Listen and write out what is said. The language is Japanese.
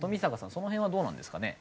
その辺はどうなんですかね？